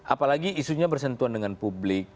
apalagi isunya bersentuhan dengan publik